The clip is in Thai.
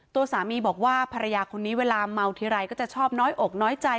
ตัวสามีบอกว่าภรรยาคนนี้เวลาเมาทีไรก็จะชอบน้อยอกน้อยใจ